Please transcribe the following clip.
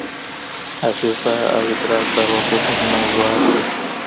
حافظه او ادراک د ارواپوهني موضوعات دي.